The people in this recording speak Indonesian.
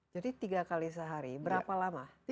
jadi tiga kali sehari berapa lama